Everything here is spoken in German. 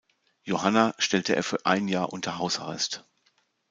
Johanna stellte er für ein Jahr unter Hausarrest.